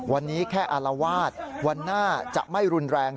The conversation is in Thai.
วันนี้แค่อารวาสวันหน้าจะไม่รุนแรง